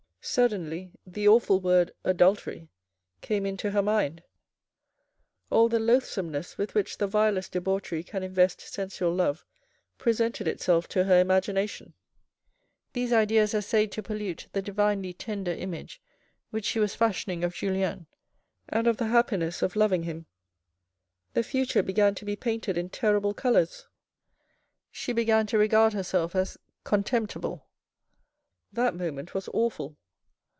Suddenly the awful word adultery came into her mind. All the loathesomeness with which the vilest debauchery can invest sensual love presented itself to her imagination. These ideas essayed to pollute the divinely tender image which she was fashioning of Julien, and of the happiness of loving him. The future began to be painted in terrible colours. She began to regard herself as contemptible. That moment was awful.